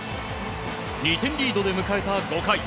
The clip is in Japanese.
２点リードで迎えた５回。